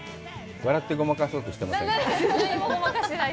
笑ってごまかそうとしてません？